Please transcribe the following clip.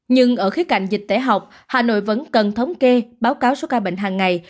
nhưng ở khía cạnh dịch tễ học hà nội vẫn cần thống kê báo cáo số ca bệnh hàng ngày